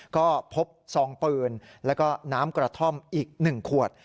ก็พบซองปืนแล้วก็น้ำกระท่อมอีก๑ขวด